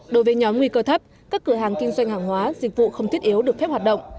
đối với nhóm nguy cơ thấp các cửa hàng kinh doanh hàng hóa dịch vụ không thiết yếu được phép hoạt động